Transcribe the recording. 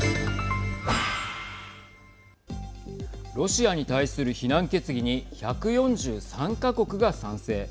ロシアに対する非難決議に１４３か国が賛成。